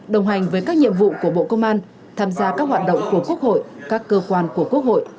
đồng hành với các nhiệm vụ của bộ công an tham gia các hoạt động của quốc hội các cơ quan của quốc hội